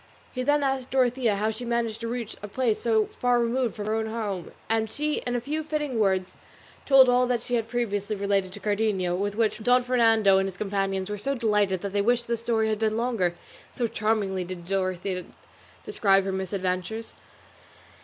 He then asked Dorothea how she had managed to reach a place so far removed from her own home, and she in a few fitting words told all that she had previously related to Cardenio, with which Don Fernando and his companions were so delighted that they wished the story had been longer; so charmingly did Dorothea describe her misadventures.